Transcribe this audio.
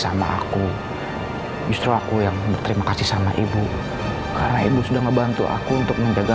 sama aku justru aku yang berterima kasih sama ibu karena ibu sudah ngebantu aku untuk menjaga